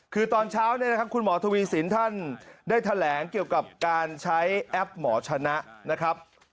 คือตอนเช้าเนี่ยนะครับคุณหมอทวีสินท่านได้แถลงเกี่ยวกับการใช้แอปหมอชนะนะครับ